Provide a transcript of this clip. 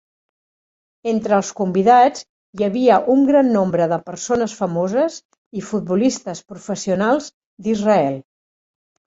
Entre els convidats hi havia un gran nombre de persones famoses i futbolistes professionals d'Israel.